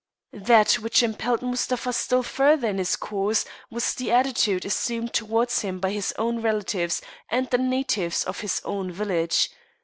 That which impelled Mustapha still further in his course was the attitude assumed towards him by his own relatives and the natives of his own village.